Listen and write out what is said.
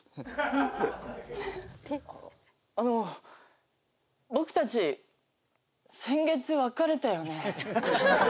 あの僕たち先月別れたよね？